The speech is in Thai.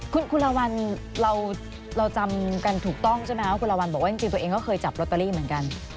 คุณละวันเราจำกันถูกต้องใช่ไหมว่าคุณละวันบอกว่าจริงตัวเองก็เคยจับลอตเตอรี่เหมือนกัน